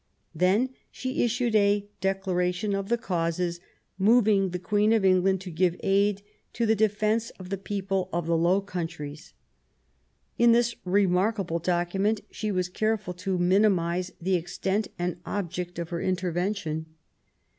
Then she issued a Declaration of the Causes moving the Queen of England to give aid to the defence of the people of the Low Countries ". In this remarkable document she was careful to minimise the extent and object of her intervention.